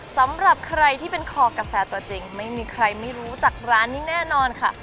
สำหรับใครที่เป็นคอกาแฟตัวจริงไม่มีใครไม่รู้จักร้านนี้แน่นอนค่ะ